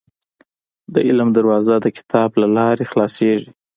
• د علم دروازه، د کتاب له لارې خلاصېږي.